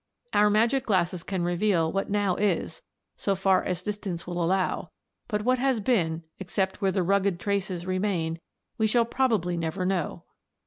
Our magic glasses can reveal what now is, so far as distance will allow; but what has been, except where the rugged traces remain, we shall probably never know.